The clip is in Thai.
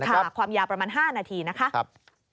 ค่ะความยาประมาณ๕นาทีนะครับ